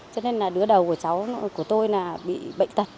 cho nên là đứa đầu của cháu của tôi là bị bệnh tật